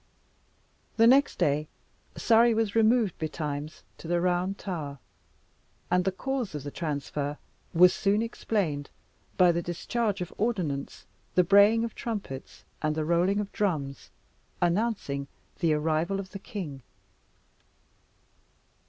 The next day, Surrey was removed betimes to the Round Tower, and the cause of the transfer was soon explained by the discharge of ordnance, the braying of trumpets and the rolling of drums, announcing the arrival of the king.